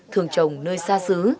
thường trồng nơi xa xứ